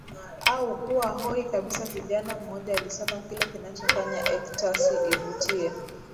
au kuwa hoi kabisa Kijana mmoja alisema kile kinachofanya ecstasy ivutie